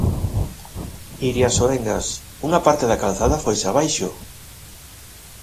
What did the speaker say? Iria Soengas, unha parte da calzada foise abaixo.